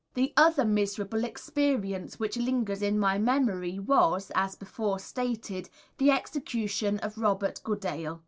The other miserable experience which lingers in my memory was, as before stated, the execution of Robert Goodale.